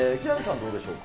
どうでしょうか。